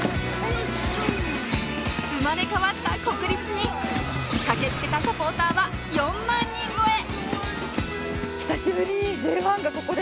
生まれ変わった国立に駆けつけたサポーターは４万人超え